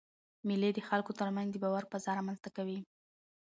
مېلې د خلکو ترمنځ د باور فضا رامنځ ته کوي.